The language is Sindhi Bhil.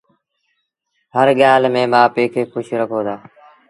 هر ڳآل ميݩ مآ پي کي کُش رکي دو